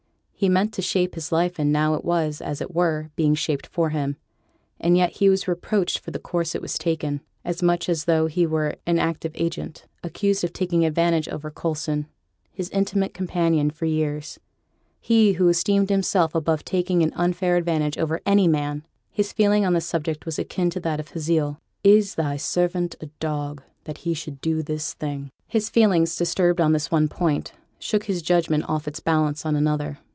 He had meant to shape his life, and now it was, as it were, being shaped for him, and yet he was reproached for the course it was taking, as much as though he were an active agent; accused of taking advantage over Coulson, his intimate companion for years; he who esteemed himself above taking an unfair advantage over any man! His feeling on the subject was akin to that of Hazael, 'Is thy servant a dog that he should do this thing?' His feelings, disturbed on this one point, shook his judgment off its balance on another.